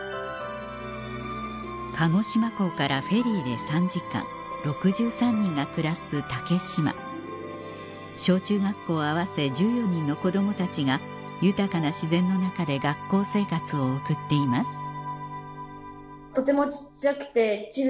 鹿児島港からフェリーで３時間６３人が暮らす小中学校合わせ１４人の子供たちが豊かな自然の中で学校生活を送っています